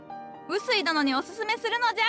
薄井殿におすすめするのじゃ！